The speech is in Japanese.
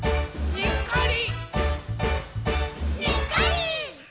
「にっこり！」